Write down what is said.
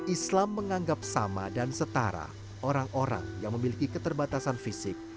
islam menganggap sama dan setara orang orang yang memiliki keterbatasan fisik